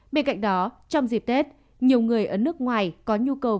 bên cạnh đó trong dịp tết nhiều người ở nước ngoài có nhu cầu